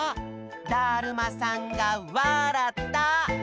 だるまさんがわらった！